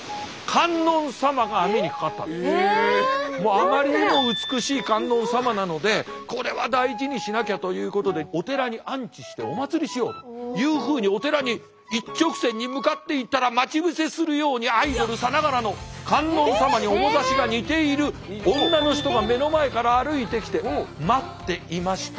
あまりにも美しい観音様なのでこれは大事にしなきゃということでお寺に安置してお祀りしようというふうにお寺に一直線に向かっていたら待ち伏せするようにアイドルさながらの観音様に面ざしが似ている女の人が目の前から歩いてきて「待っていました。